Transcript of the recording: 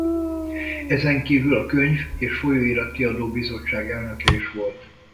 Ezenkívül a Könyv- és Folyóirat-kiadói Bizottság elnöke is volt.